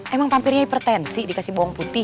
emang pampirnya hipertensi dikasih bawang putih